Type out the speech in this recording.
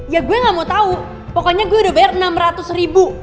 ya gue gak mau tahu pokoknya gue udah bayar rp enam ratus ribu